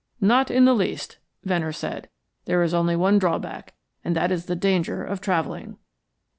"Not in the least," Venner said. "There is only one drawback, and that is the danger of traveling."